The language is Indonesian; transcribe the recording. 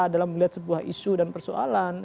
dalam melihat sebuah isu dan persoalan